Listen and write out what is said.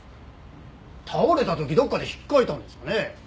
倒れた時どっかで引っかいたんですかね？